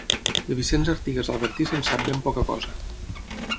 De Vicenç Artigas Albertí se'n sap ben poca cosa.